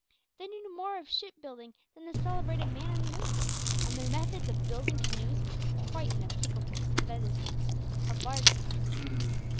They knew no more of ship building than the celebrated man in the moon, and their methods of building canoes were quite inapplicable to vessels of large capacity.